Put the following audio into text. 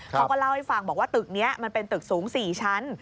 เขาก็เล่าให้ฟังบอกว่าตึกนี้มันเป็นตึกสูง๔ชั้น